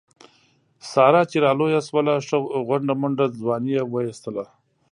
ساره چې را لویه شوله ښه غونډه منډه ځواني یې و ایستله.